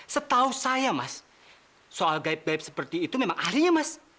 setahu saya mas soal gaib gate seperti itu memang ahlinya mas